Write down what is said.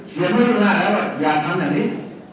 เกียรติภูมิได้แล้วว่าอย่าทำแบบนี้